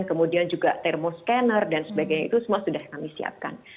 kemudian juga thermo scanner dan sebagainya itu semua sudah kami siapkan